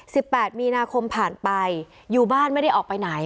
แปดมีนาคมผ่านไปอยู่บ้านไม่ได้ออกไปไหน